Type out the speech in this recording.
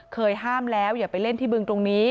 ห้ามแล้วอย่าไปเล่นที่บึงตรงนี้